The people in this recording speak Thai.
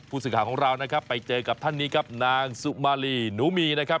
สื่อข่าวของเรานะครับไปเจอกับท่านนี้ครับนางสุมารีหนูมีนะครับ